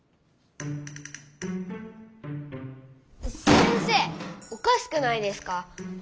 先生おかしくないですか！？